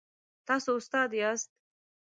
تاسو استاد یاست؟